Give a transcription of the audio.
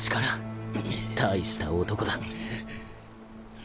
大した男だ